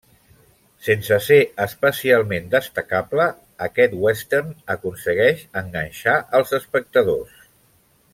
Sense ser especialment destacable, aquest western aconsegueix enganxar als espectadors.